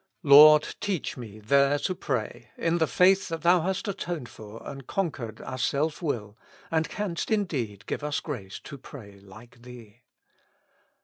Lord ! teach me there to pray, in the faith that Thou hast atoned for and conquered our self will, and canst indeed give us grace to pray like Thee.